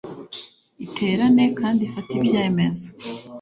Iterane kandi ifate ibyemezo